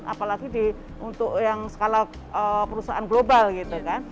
apalagi untuk yang skala perusahaan global gitu kan